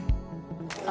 あ